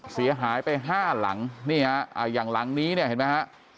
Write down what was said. เสียหายไปห้าหลังอย่างหลังนี้เห็นไหมครับ